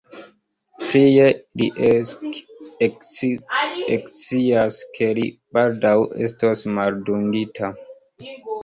Plie, li ekscias, ke li baldaŭ estos maldungita.